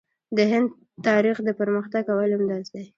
د هند تاریخ د پرمختګ او علم درس دی.